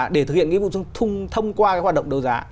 để thực hiện nghĩa vụ trong thông qua hoạt động đấu giá